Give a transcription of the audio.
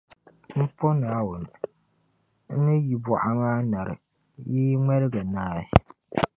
M po Naawuni, n-ni yi buɣa maa nari, yi yi ŋmalgi naai.